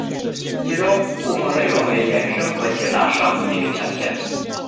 其中部分内容为延伸和解答上集留下的线索。